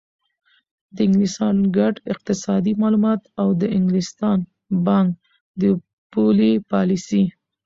د انګلستان ګډ اقتصادي معلومات او د انګلستان بانک د پولي پالیسۍ